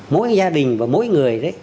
mỗi gia đình và mỗi người